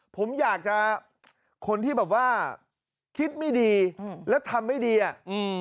ผมอยากจะคนที่แบบว่าคิดไม่ดีอืมแล้วทำไม่ดีอ่ะอืม